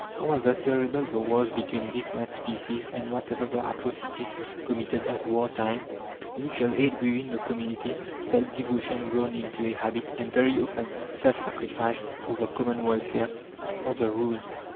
However terrible the wars between different species, and whatever the atrocities committed at war time, mutual aid within the community, self devotion grown into a habit, and very often self sacrifice for the common welfare, are the rule.